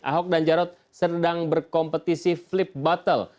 ahok dan jarod sedang berkompetisi flip buttle